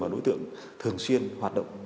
đối tượng thường xuyên hoạt động